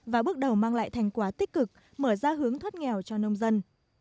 và bước đầu mang lại thành quả tích cực mở ra hướng thoát nghèo cho nông dân